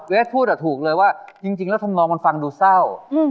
เวทพูดอ่ะถูกเลยว่าจริงจริงแล้วธรรมนอกมันฟังดูเศร้าอืม